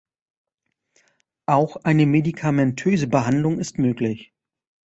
Auch eine medikamentöse Behandlung ist möglich.